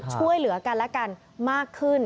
ช่วยเหลือกันและกันมากขึ้น